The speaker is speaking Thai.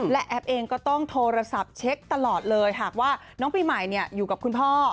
และแอปเองก็ต้องโทรศัพท์เช็คตลอดเลยหากว่าน้องปีใหม่อยู่กับคุณพ่อ